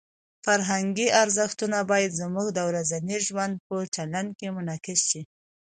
فرهنګي ارزښتونه باید زموږ د ورځني ژوند په چلند کې منعکس شي.